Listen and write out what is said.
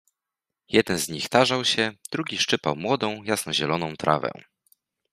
Jeden z nich tarzał się, drugi szczypał młodą, jasnozieloną trawę.